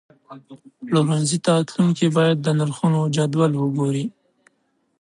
پلورنځي ته تلونکي باید د نرخونو جدول ته وګوري.